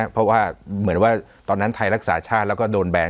เพราะว่าเหมือนว่าตอนนั้นไทยรักษาชาติแล้วก็โดนแบน